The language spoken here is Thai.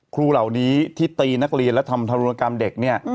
ครูเหล่านี้ที่ตีนักเรียนและทำธุรกรรมเด็กเนี่ย